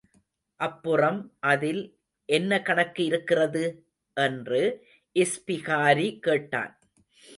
அப்புறம் அதில் என்ன கணக்கு இருக்கிறது? என்று இஸ்பிகாரி கேட்டான்.